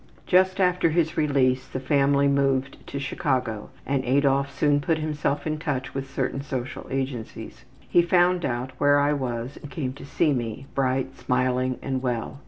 '' Just after his release the family moved to Chicago and Adolf soon put himself in touch with certain social agencies. He found out where I was and came to see me, bright, smiling, and well.